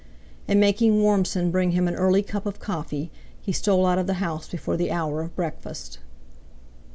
And making Warmson bring him an early cup of coffee; he stole out of the house before the hour of breakfast.